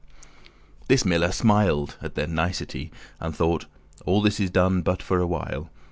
This miller smiled at their nicety*, *simplicity And thought, "All this is done but for a wile.